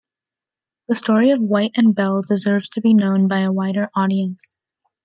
The story of White and Bell deserves to be known by a wider audience.